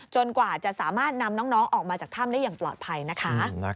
กว่าจะสามารถนำน้องออกมาจากถ้ำได้อย่างปลอดภัยนะคะ